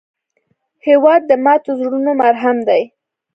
هېواد د ماتو زړونو مرهم دی.